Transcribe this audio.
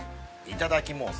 いただきます。